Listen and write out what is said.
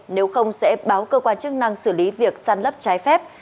nếu không sẽ báo cơ quan chức năng xử lý việc săn lấp trái phép